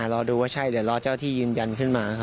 รอดูว่าใช่เดี๋ยวรอเจ้าที่ยืนยันขึ้นมา